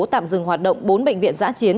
tạm dừng hoạt động bốn bệnh viện giã chiến